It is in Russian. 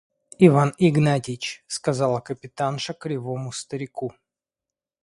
– Иван Игнатьич! – сказала капитанша кривому старичку.